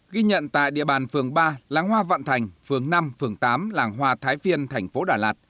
ghi nhận tại địa bàn phường ba làng hoa vạn thành phường năm phường tám làng hoa thái phiên thành phố đà lạt